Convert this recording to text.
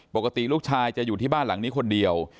ปกติลูกชายจะอยู่ที่บ้านหลังนี้คนเดียว